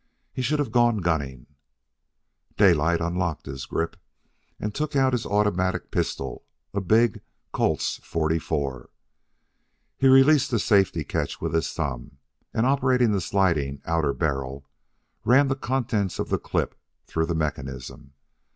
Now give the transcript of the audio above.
He should have gone gunning. Daylight unlocked his grip and took out his automatic pistol a big Colt's .44. He released the safety catch with his thumb, and operating the sliding outer barrel, ran the contents of the clip through the mechanism.